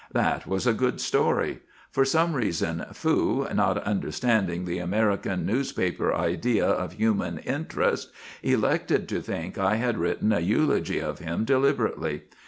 That was a good story. For some reason Fu, not understanding the American newspaper idea of 'human interest,' elected to think I had written a eulogy of him deliberately.